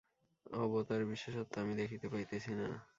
অবতারবিশেষত্ব আমি দেখিতে পাইতেছি না।